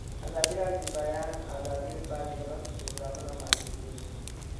ازادي راډیو د د بیان آزادي لپاره د مرستو پروګرامونه معرفي کړي.